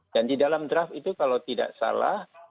dan di dalam draft itu kalau tidak salah